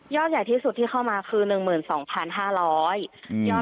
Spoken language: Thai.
ใหญ่ที่สุดที่เข้ามาคือ๑๒๕๐๐ยอด